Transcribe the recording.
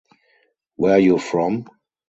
Where you from?